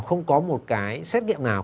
không có một cái xét nghiệm nào